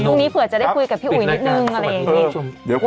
พรุ่งนี้เผื่อจะได้คุยกับพี่อุ๋ยนิดนึงอะไรอย่างนี้